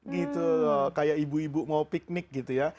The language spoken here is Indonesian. gitu loh kayak ibu ibu mau piknik gitu ya